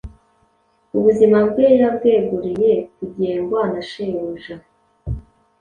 ubuzima bwe yabweguriye kugengwa na shebuja